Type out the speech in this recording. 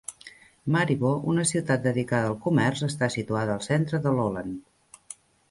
Maribo, una ciutat dedica al comerç, està situada al centre de Lolland.